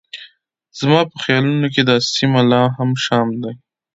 زما په خیالونو کې دا سیمه لا هم شام دی.